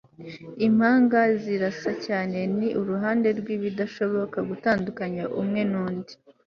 Impanga zirasa cyane ni iruhande rwibidashoboka gutandukanya umwe nundi